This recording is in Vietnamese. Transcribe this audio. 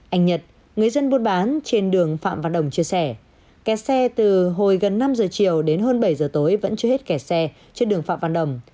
anh nhật người dân buôn bán trên đường phạm văn đồng chia sẻ kẻ xe từ hồi gần năm giờ chiều đến hơn bảy giờ tối vẫn chưa hết kẻ xe trên đường phạm văn đồng